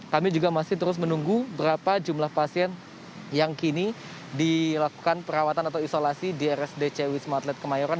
kami juga masih terus menunggu berapa jumlah pasien yang kini dilakukan perawatan atau isolasi di rsdc wisma atlet kemayoran